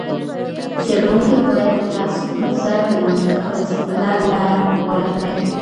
څېړونکی باید د تعصب پر ځای د منطق او استدلال لاره غوره کړي.